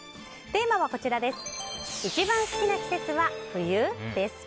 テーマは一番好きな季節は冬？です。